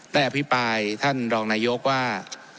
อภิปรายท่านรองนายกว่า